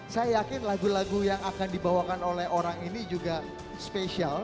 saya yakin lagu lagu yang akan dibawakan oleh orang ini juga spesial